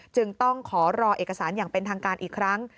จึงต้องขอรอเอกสารอย่างเป็นทางการอีกครั้ง